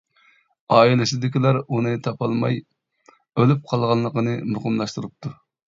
ئائىلىسىدىكىلەر ئۇنى تاپالماي، ئۆلۈپ قالغانلىقىنى مۇقىملاشتۇرۇپتۇ.